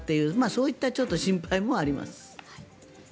そういう心配もあります。